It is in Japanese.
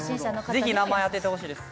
ぜひ名前当ててほしいです